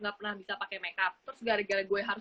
gak pernah bisa pakai make up terus gara gara gue harus